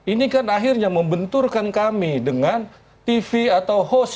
ini kan akhirnya membenturkan kami dengan tv atau host